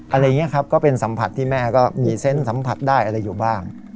อะไรอย่างนี้ครับก็เป็นสัมผัสที่แม่ก็มีเซนต์สัมผัสได้อะไรอยู่บ้าง